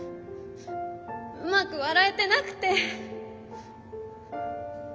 うまく笑えてなくて。